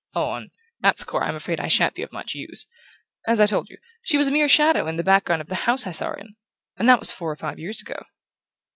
"Oh, on that score I'm afraid I sha'n't be of much use. As I told you, she was a mere shadow in the background of the house I saw her in and that was four or five years ago..."